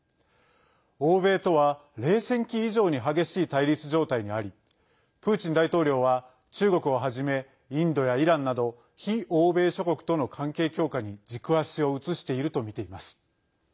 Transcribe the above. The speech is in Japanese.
欧米とは冷戦期以上に激しい対立状態にありプーチン大統領は中国をはじめインドやイランなど非欧米諸国との関係強化に軸足を移しているとみています。